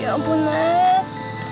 ya ampun nat